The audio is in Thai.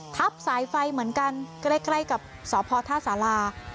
ทับสายไฟเหมือนกันใกล้กับสพท่าสารา